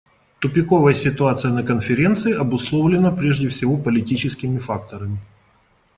Тупиковая ситуация на Конференции обусловлена прежде всего политическими факторами.